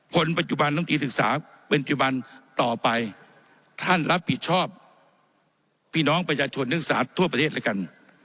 คนปัจจุบันน้ำตรีศึกษาเป็นจุบันต่อไปท่านรับผิดชอบพี่น้องประชาชนนักศึกษาทั่วประเทศแล้วกัน